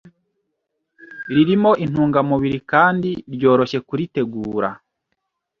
ririmo intungamubiri kandi ryoroshye kuritegura